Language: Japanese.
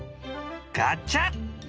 ガチャ！